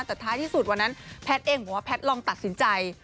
แต่ท้ายที่สุดวันนั้นแพทย์เองบอกว่าแพทย์ลองตัดสินใจ